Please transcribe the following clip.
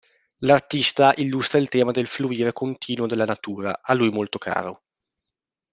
L'artista illustra il tema del fluire continuo della natura, a lui molto caro.